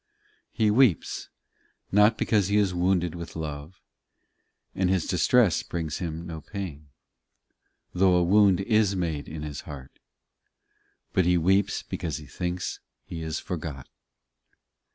ii He weeps, not because he is wounded with love, And his distress brings him no pain, Though a wound is made in his heart ; But he weeps because he thinks he is forgot.